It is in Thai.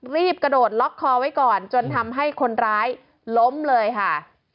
รีบกระโดดล็อกคอไว้ก่อนจนทำให้คนร้ายล้มเลยค่ะ